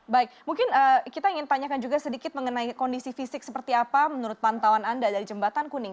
baik mungkin kita ingin tanyakan juga sedikit mengenai kondisi fisik seperti apa menurut pantauan anda dari jembatan kuning